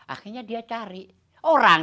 akhirnya dia cari orang